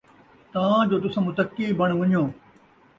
تاں جو تُساں متقی بݨ وَن٘ڄو ۔